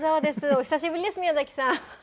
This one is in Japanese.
お久しぶりです、宮崎さん。